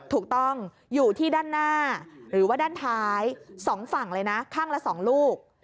ถูกต้องอยู่ที่ด้านหน้าหรือว่าด้านท้าย๒ฝั่งเลยนะข้างละ๒ลูก